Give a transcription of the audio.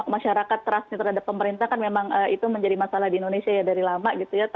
masyarakat trust terhadap pemerintah kan memang itu menjadi masalah di indonesia dari lama